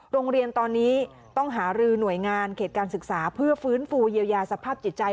โรงเรียนตอนนี้ต้องหารือหน่วยงานเขตการศึกษาเพื่อฟื้นฟูเยียวยาสภาพจิตใจ